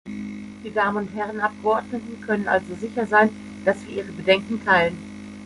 Die Damen und Herren Abgeordneten können also sicher sein, dass wir ihre Bedenken teilen.